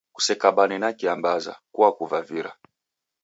Kusekabane na kiambaza, kuakuvavira